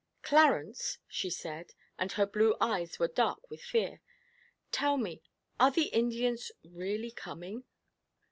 'Clarence,' she said, and her blue eyes were dark with fear, 'tell me are the Indians really coming?'